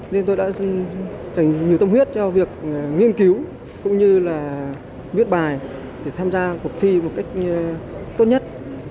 nên tôi đã dành nhiều tâm huyết cho việc nghiên cứu cũng như là viết bài để tham gia cuộc thi một cách tốt nhất